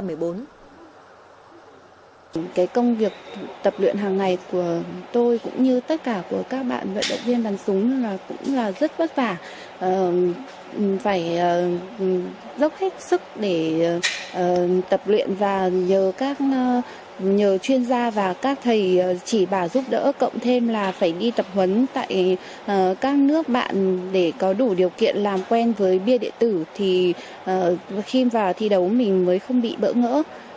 mình dốc hết sức để tập luyện và nhờ chuyên gia và các thầy chỉ bà giúp đỡ cộng thêm là phải đi tập huấn tại các nước bạn để có đủ điều kiện làm quen với bia địa tử thì khi vào thi đấu mình mới không bị bỡ ngỡ